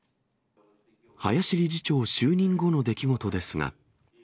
林理事長就任後の出来事ですが。